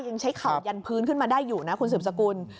ยังใช้เข่ายันพื้นขึ้นมาได้อยู่นะคุณสืบสกุล